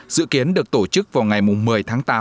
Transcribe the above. dự kiến được tổ chức vào ngày một mươi tháng tám